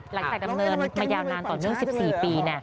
ดำเนินมายาวนานต่อเนื่อง๑๔ปี